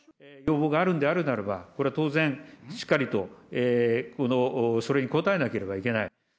要望があるんであるならば、これは当然、しっかりとそれに応えなければいけない。